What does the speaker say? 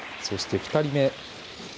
そして、２人目。